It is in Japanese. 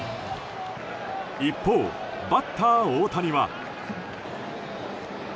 一方、バッター大谷は。